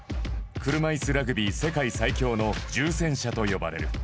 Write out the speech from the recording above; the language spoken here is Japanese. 車いすラグビー世界最強の重戦車と呼ばれる。